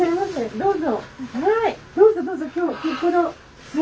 どうぞ。